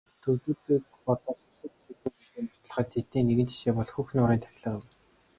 Төвөдүүдийг бодвол сүсэг бишрэлгүй гэдгээ нотолдог тэдний нэгэн жишээ бол Хөх нуурын тахилга юм.